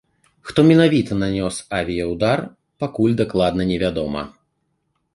Хто менавіта нанёс авіяўдар, пакуль дакладна не вядома.